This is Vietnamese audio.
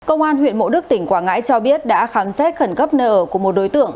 công an huyện mộ đức tỉnh quảng ngãi cho biết đã khám xét khẩn cấp nợ của một đối tượng